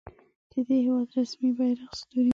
د دې هیواد رسمي بیرغ ستوری لري.